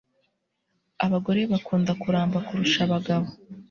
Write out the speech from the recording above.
Abagore bakunda kuramba kurusha abagabo